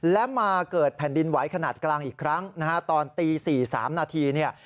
และมาเกิดแผ่นดินไหวขนาดกลางอีกครั้งนะฮะตอนตี๔๓นาทีเนี่ย